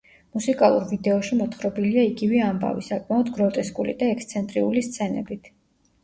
მუსიკალურ ვიდეოში მოთხრობილია იგივე ამბავი, საკმაოდ გროტესკული და ექსცენტრიული სცენებით.